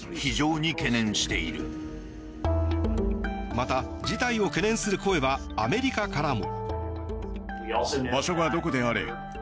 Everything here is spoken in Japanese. また、事態を懸念する声はアメリカからも。